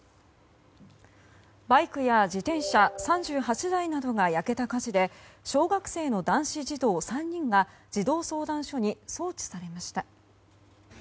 バイクや自転車３８台などが焼けた火事で小学生の男子児童３人が児童相談所に送致されました。